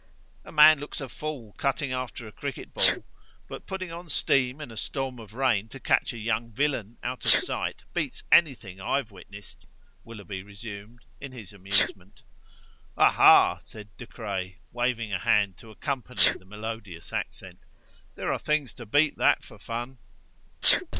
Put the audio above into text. "A man looks a fool cutting after a cricket ball; but, putting on steam in a storm of rain to catch a young villain out of sight, beats anything I've witnessed," Willoughby resumed, in his amusement. "Aiha!" said De Craye, waving a hand to accompany the melodious accent, "there are things to beat that for fun."